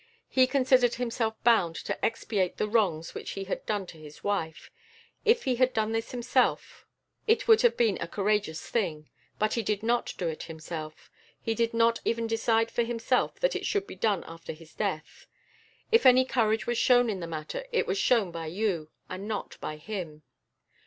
He considered himself bound to expiate the wrongs which he had done to his wife. If he had done this himself it would have been a courageous thing; but he did not do it himself. He did not even decide for himself that it should be done after his death. If any courage was shown in the matter, it was shown by you, and not by him.